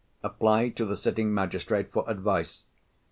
applied to the sitting magistrate for advice.